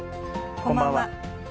こんばんは。